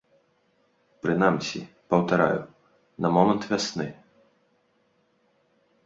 Прынамсі, паўтараю, на момант вясны.